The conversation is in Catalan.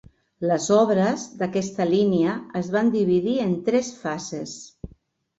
Les obres d'aquesta línia es van dividir en tres fases.